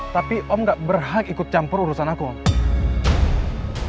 tapi om gak berhak ikut campur urusan aku om